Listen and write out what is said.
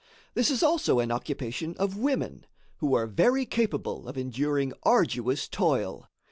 This is also an occupation of women, who are very capable of enduring arduous toil.